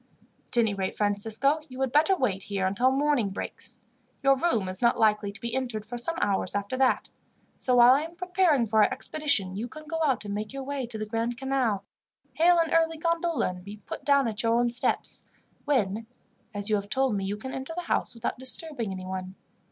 "At any rate, Francisco, you had better wait here until morning breaks. Your room is not likely to be entered for some hours after that; so while I am preparing for our expedition, you can go out and make your way to the Grand Canal, hail an early gondola, and be put down at your own steps, when, as you have told me, you can enter the house without disturbing anyone.